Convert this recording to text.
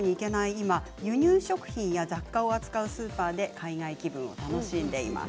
今輸入食品や雑貨を扱うスーパーで海外気分を楽しんでいます。